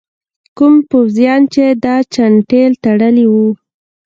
کوم پوځیان چې دا چانټې تړلي وو.